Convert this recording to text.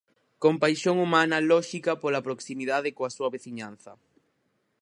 Compaixón humana lóxica pola proximidade coa súa veciñanza.